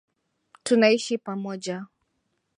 Tunaishi pamoja